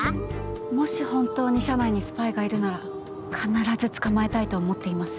もし本当に社内にスパイがいるなら必ず捕まえたいと思っています。